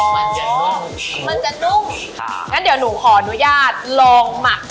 มันจะนุ่มมันจะนุ่มค่ะงั้นเดี๋ยวหนูขออนุญาตลองหมัก